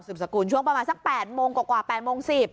สกุลช่วงประมาณสัก๘โมงกว่า๘โมง๑๐